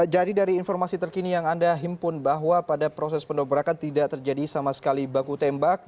jadi dari informasi terkini yang anda himpun bahwa pada proses pendobrakan tidak terjadi sama sekali baku tembak